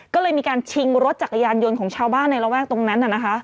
ก็เลยมีการชิงรถจักรยานยนต์ของชาวบ้านในระแวกตรงนั้น